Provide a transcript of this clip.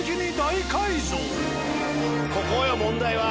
ここよ問題は。